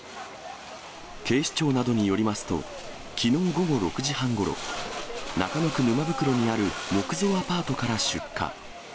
警視庁などによりますと、きのう午後６時半ごろ、中野区沼袋にある木造アパートから出火。